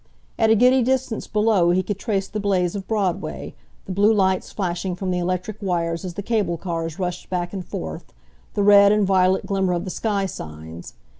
At a giddy distance below he could trace the blaze of Broadway, the blue lights flashing from the electric wires as the cable cars rushed back and forth, the red and violet glimmer of the sky signs.